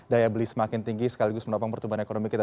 daya beli semakin tinggi sekaligus menopang pertumbuhan ekonomi kita